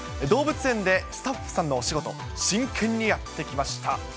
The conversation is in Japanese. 動物園でスタッフさんのお仕事、真剣にやってきました。